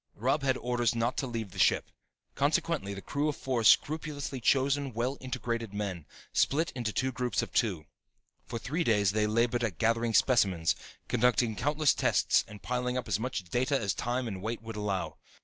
Robb had orders not to leave the ship. Consequently, the crew of four scrupulously chosen, well integrated men split into two groups of two. For three days they labored at gathering specimens, conducting countless tests and piling up as much data as time and weight would allow.